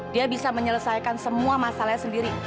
dia bisa menyelesaikan semua masalahnya sendiri